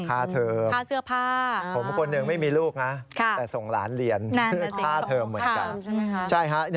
ค่าเธอค่าเสื้อผ้าผมคนหนึ่งไม่มีลูกนะแต่ส่งหลานเรียนเพื่อฆ่าเธอเหมือนกัน